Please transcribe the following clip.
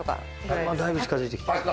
だいぶ近づいて来てます。